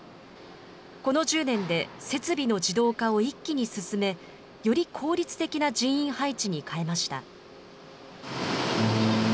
この１０年で、設備の自動化を一気に進め、より効率的な人員配置に変えました。